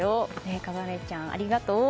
華紗音ちゃん、ありがとう！